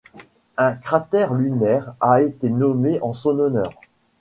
Un cratère lunaire a été nommé en son honneur.